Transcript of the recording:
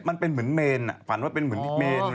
มันเป็นเหมือนเมนฝันว่าเป็นเหมือนอีกเมน